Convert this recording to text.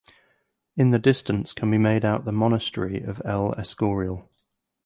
In the distance can be made out the monastery of El Escorial.